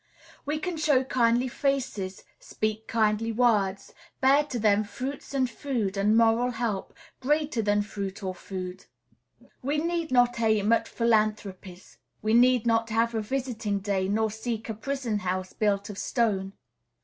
We can show kindly faces, speak kindly words, bear to them fruits and food, and moral help, greater than fruit or food. We need not aim at philanthropies; we need not have a visiting day, nor seek a prison house built of stone.